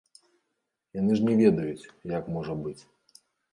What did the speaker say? Яны ж не ведаюць, як можа быць.